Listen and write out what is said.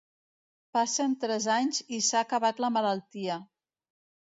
Passen tres anys i s'ha acabat la malaltia.